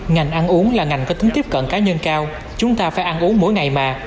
ngành ăn uống là ngành có tính tiếp cận cá nhân cao chúng ta phải ăn uống mỗi ngày mà